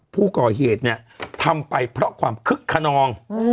ผู้ก่อเหตุเนี่ยทำไปเพราะความคึกขนอง